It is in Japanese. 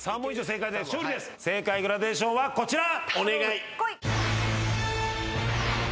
正解グラデーションはこちら。